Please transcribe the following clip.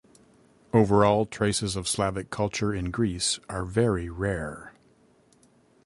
Overall, traces of Slavic culture in Greece are very rare.